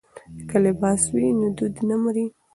که لباس وي نو دود نه مري.